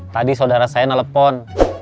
tadi saudara saya nelfon